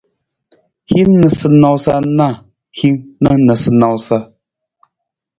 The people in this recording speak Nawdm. Hin noosanoosa na hiwung na noosanoosa.